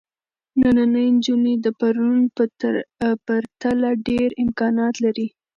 نننۍ نجونې د پرون په پرتله ډېر امکانات لري.